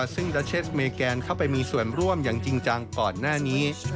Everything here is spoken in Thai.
ซึ่งดัชเชสเมแกนเข้าไปมีส่วนร่วมอย่างจริงจังก่อนหน้านี้